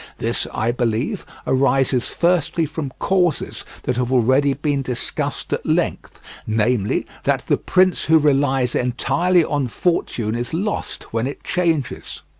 This, I believe, arises firstly from causes that have already been discussed at length, namely, that the prince who relies entirely on fortune is lost when it changes.